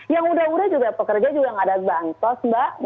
yang sudah sudah pekerja juga tidak ada bansos mbak